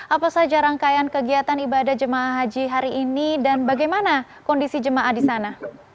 apa saja rangkaian kegiatan ibadah jemaah haji hari ini dan bagaimana kondisi jemaah di sana